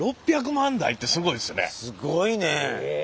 すごいね。